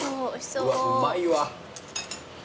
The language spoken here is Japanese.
うわうまいわ。